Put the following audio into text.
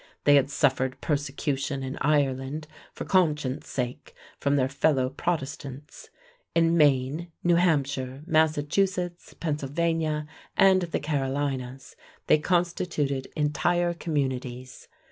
They had suffered persecution in Ireland for conscience sake from their fellow Protestants. In Maine, New Hampshire, Massachusetts, Pennsylvania, and the Carolinas they constituted entire communities.